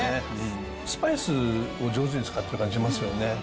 スパイスを上手に使ってる感じしますよね。